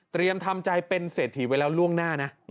ทำใจเป็นเศรษฐีไว้แล้วล่วงหน้านะ